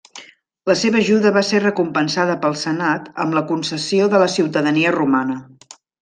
La seva ajuda va ser recompensada pel senat amb la concessió de la ciutadania romana.